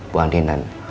bu andi dan